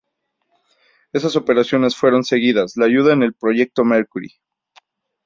Esas operaciones fueron seguidas la ayuda en el "proyecto Mercury".